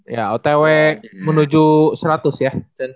sembilan puluh delapan ya otw menuju seratus ya